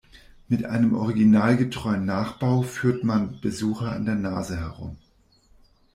Mit einem originalgetreuen Nachbau führt man Besucher an der Nase herum.